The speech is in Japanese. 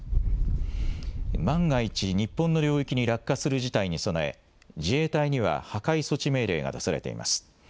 万が一、日本の領域に落下する事態に備え、自衛隊には破壊措置命令が出されています。